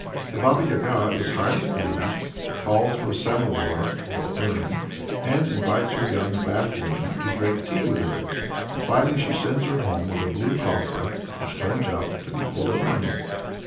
The Baba Yaga is highly pleased, calls for a "samovar" (or urn), and invites her young bath woman to drink tea with her. And finally she sends her home with a blue coffer, which turns out to be full of money.